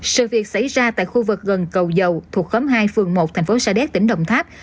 sự việc xảy ra tại khu vực gần cầu dầu thuộc khóm hai phường một thành phố sa đéc tỉnh đồng tháp